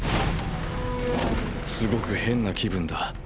すごく変な気分だ。